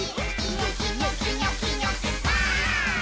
「ニョキニョキニョキニョキバーン！」